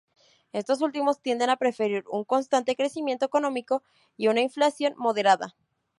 Estos últimos tienden a preferir un constante crecimiento económico y una inflación moderada.